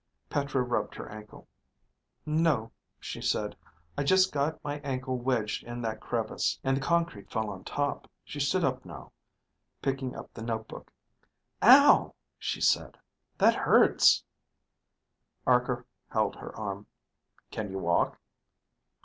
Petra rubbed her ankle. "No," she said. "I just got my ankle wedged in that crevice, and the concrete fell on top." She stood up, now, picking up the notebook. "Ow," she said. "That hurts." Arkor held her arm. "Can you walk?"